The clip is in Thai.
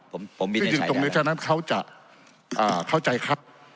ผมผมมีในใช้ตรงนี้ฉะนั้นเขาจะอ่าเข้าใจครับ